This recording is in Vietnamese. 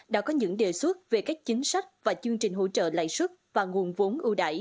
đã có những đề xuất về các chính sách và chương trình hỗ trợ lãi xuất và nguồn vốn ưu đải